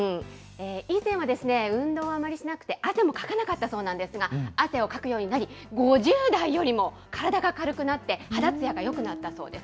以前はですね、運動はあまりしなくて、汗もかかなかったそうなんですが、汗をかくようになり、５０代よりも体が軽くなって、肌つやがよくなったそうです。